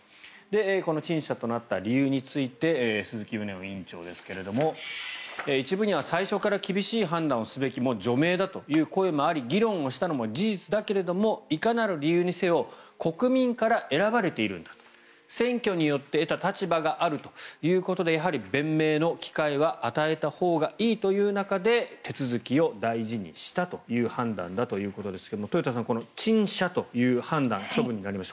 この陳謝となった理由について鈴木宗男委員長ですが、一部には最初から厳しい判断をすべき除名だという声もあり議論をしたのも事実だけどいかなる理由にせよ国民から選ばれているんだと選挙によって得た立場があるということでやはり弁明の機会は与えたほうがいいという中で手続きを大事にしたという判断だということですが豊田さん、陳謝という判断処分になりました。